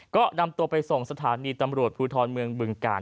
ก็นำตัวไปส่งสถานีตำรวจภูทรเมืองบึงกาล